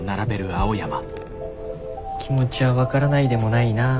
気持ちは分からないでもないなあ。